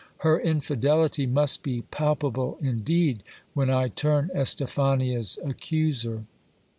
Her infidelity must be palpable indeed, when I turn Estephania's accuser.